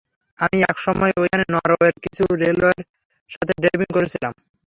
আমি এক সময় ঐখানে নরওয়ের কিছু রেসলারের সাথে ড্রাইভিং করেছিলাম।